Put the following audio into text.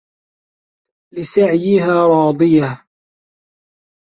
لِسَعيِها راضِيَةٌ